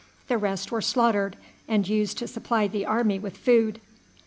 The rest were slaughtered, and used to supply the army with food.